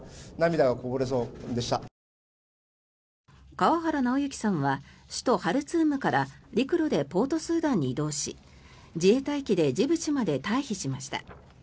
川原尚行さんは首都ハルツームから、陸路でポートスーダンに移動し自衛隊機でジブチまで退避しました。